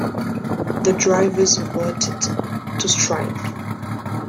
The drivers voted to strike.